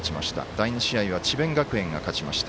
第２試合は智弁学園が勝ちました。